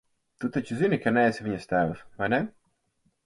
Tu taču zini, ka neesi viņas tēvs, vai ne?